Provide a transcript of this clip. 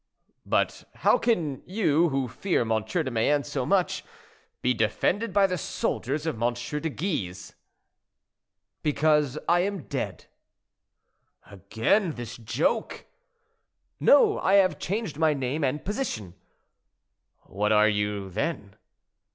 "But how can you, who fear M. de Mayenne so much, be defended by the soldiers of M. de Guise?" "Because I am dead." "Again this joke!" "No; I have changed my name and position." "What are you, then?"